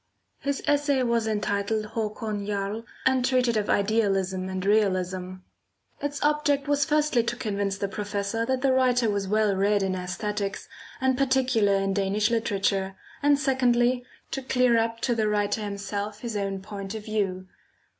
His essay was entitled "Hakon Jarl," and treated of Idealism and Realism. Its object was firstly to convince the professor that the writer was well read in æsthetics and particularly in Danish literature, and secondly, to clear up to the writer himself his own point of view.